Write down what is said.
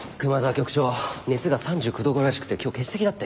局長熱が３９℃超えらしくて今日欠席だって。